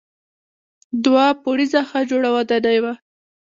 دوه پوړیزه ښه جوړه ودانۍ وه.